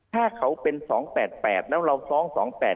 ถ้าเขาเป็น๒๘๘แล้วเราฟ้อง๒๘๘